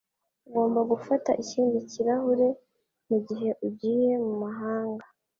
Ugomba gufata ikindi kirahure mugihe ugiye mumahanga.